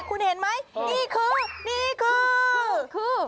คุณเห็นไหมนี่คือ